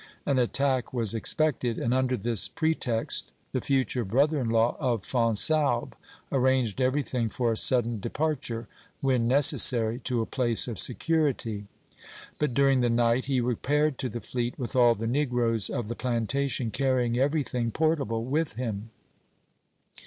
An attack was expected, and under this pretext the future brother in law of Fonsalbe arranged everything for a sudden departure, when neces sary, to a place of security; but during the night he repaired to the fleet with all the negroes of the plantation, carrying everything portable with him.